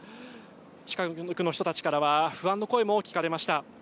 近くの人たちからは不安の声も聞かれました。